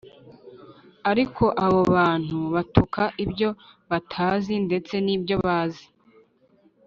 ariko abo bantu batuka ibyo batazi ndetse n’ibyo bazi